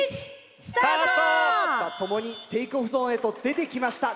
共にテイクオフゾーンへと出てきました。